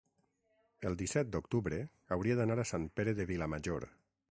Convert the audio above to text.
el disset d'octubre hauria d'anar a Sant Pere de Vilamajor.